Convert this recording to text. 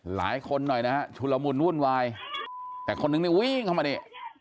หลายคนหน่อยนะฮะชุลมุนวุ่นวายแต่คนนึงเนี่ยวิ่งเข้ามานี่